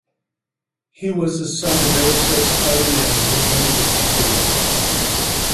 He was a son of aerospace pioneer Reuben H. Fleet.